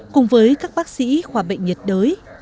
cùng với các bác sĩ khoa bệnh nhiệt đới